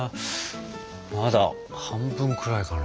まだ半分くらいかな？